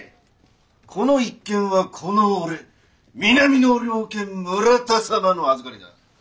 この一件はこの俺南の猟犬村田様のあずかりだ。